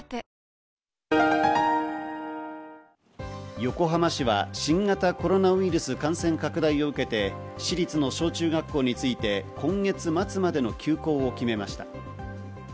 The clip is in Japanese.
横浜市は新型コロナウイルス感染拡大を受けて市立の小中学校について今月末までの休校を決めました。